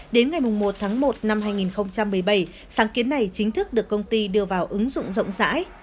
đến ngày một tháng một năm hai nghìn một mươi bảy sáng kiến này chính thức được công ty đưa vào ứng dụng rộng rãi